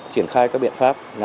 triển khai các biện pháp